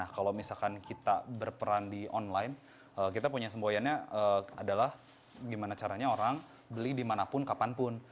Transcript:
kalau misalkan kita berperan di online kita punya semboyannya adalah gimana caranya orang beli dimanapun kapanpun